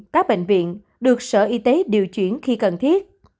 các bệnh viện được sở y tế điều chuyển khi cần thiết